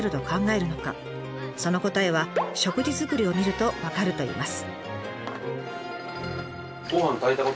その答えは食事作りを見ると分かるといいます。